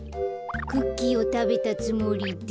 クッキーをたべたつもりで。